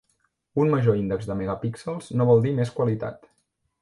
Un major índex de megapíxels no vol dir més qualitat.